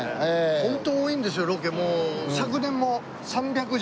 ホント多いんですよロケもう。